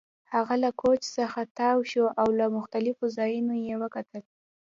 هغه له کوچ څخه تاو شو او له مختلفو زاویو یې وکتل